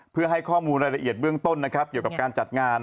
เพื่อให้ข้อมูลรายละเอียดเบื้องต้นนะครับเกี่ยวกับการจัดงาน